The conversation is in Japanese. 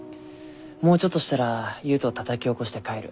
もうちょっとしたら悠人たたき起こして帰る。